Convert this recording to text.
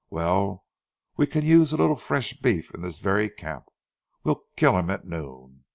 Well, we can use a little fresh beef in this very camp. We'll kill him at noon.